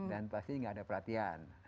dan pasti tidak ada perhatian